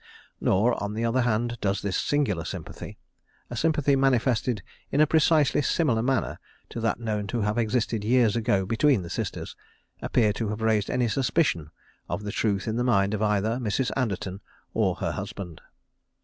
Nor, on the other hand, does this singular sympathy a sympathy manifested in a precisely similar manner to that known to have existed years ago between the sisters appear to have raised any suspicion of the truth in the mind of either Mrs. Anderton or her husband.